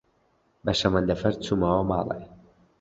بە شەمەندەفەر چوومەوە ماڵێ.